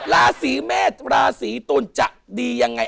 ราศีเมษราศีตุลจะดียังไง